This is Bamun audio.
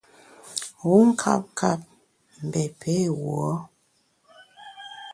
Wu nkap kap, mbé pé wuo ?